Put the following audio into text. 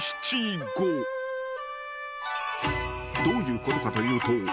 ［どういうことかというと。